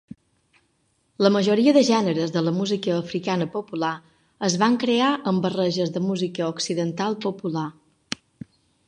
La majoria de gèneres de la música africana popular es van crear amb barreges de música occidental popular.